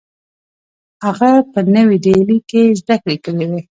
هغه په نوې ډیلي کې زدکړې کړې وې